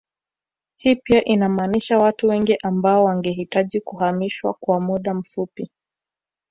Hii pia inamaanisha watu wengi ambao wangehitaji kuhamishwa kwa muda mfupii